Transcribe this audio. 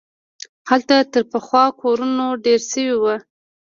هلته تر پخوا کورونه ډېر سوي وو.